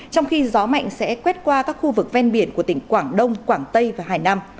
trong khi gió mạnh sẽ quét qua các khu vực ven biển của tỉnh quảng đông quảng tây và hải nam